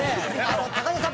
高田さん